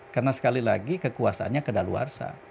karena sekali lagi kekuasaannya kedaluarsa